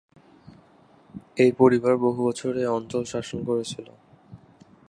এই পরিবার বহুবছর এই অঞ্চল শাসন করেছিল।